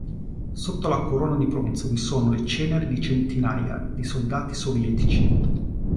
Sotto la corona di bronzo vi sono le ceneri di centinaia di soldati sovietici.